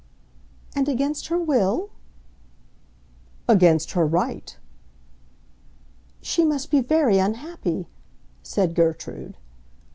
"And against her will?" "Against her right." "She must be very unhappy!" said Gertrude.